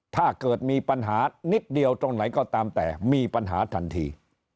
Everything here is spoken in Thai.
ถ้าเกิดมีปัญหานิดเดียวตรงไหนก็ตามแต่มีปัญหาทันที